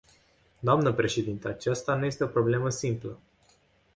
Dnă președintă, aceasta nu este o problemă simplă.